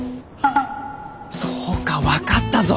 そうか分かったぞ。